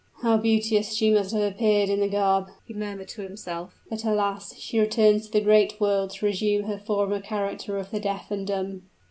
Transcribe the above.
"How beautiful she must have appeared in the garb!" he murmured to himself. "But, alas! she returns to the great world to resume her former character of the deaf and dumb."